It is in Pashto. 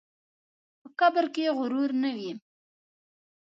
په قبر کې غرور نه وي.